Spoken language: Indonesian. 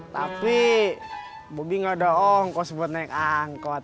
tapi bugi gak ada ongkos buat naik angkot